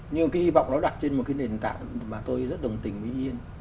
như cái hy vọng nó đặt trên một cái nền tảng mà tôi rất đồng tình với yên